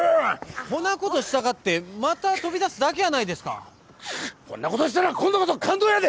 ほんなことしたかってえまた飛び出すだけやないですかほんなことしたら今度こそ勘当やで！